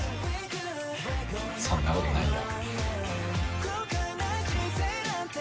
そんなことないよ。